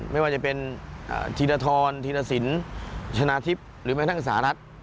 ไม่ว่าจะเป็นธีรธรธีรสินชนะทิพย์หรือแม้ทั้งสหรัฐ